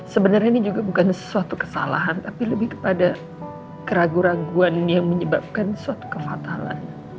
sebenarnya ini juga bukan sesuatu kesalahan tapi lebih kepada keraguan keraguan yang menyebabkan suatu kefatalan